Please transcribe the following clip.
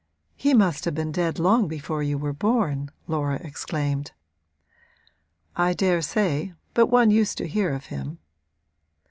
'He must have been dead long before you were born!' Laura exclaimed. 'I daresay; but one used to hear of him.'